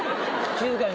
静かに！